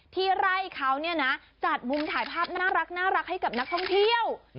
ที่ไร่เขาจัดมุมถ่ายภาพน่ารักให้กับนักท่องเที่ยว